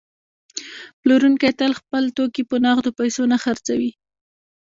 پلورونکی تل خپل توکي په نغدو پیسو نه خرڅوي